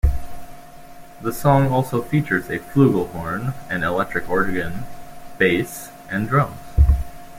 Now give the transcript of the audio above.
The song also features a flugelhorn, an electric organ, bass, and drums.